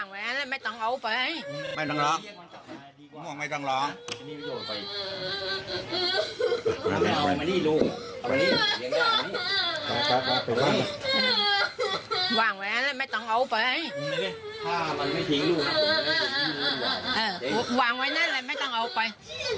วางไว้นั่นเลยไม่ต้องเอาไป